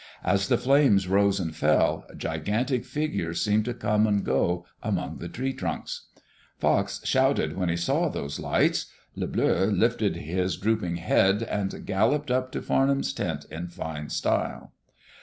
As the flames rose and fell, gigantic figures seemed to come and go among the tree trunks. Cox shouted when he saw those lights. Le Bleu lifted his drooping head and galloped up to Farnham's tent in fine style.